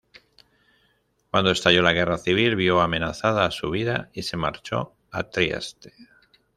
Cuando estalló la Guerra Civil vio amenazada su vida y se marchó a Trieste.